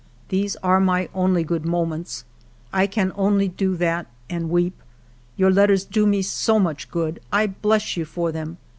These are my only good moments ; I can only do that and weep. Your letters do me so much good. I bless you for them.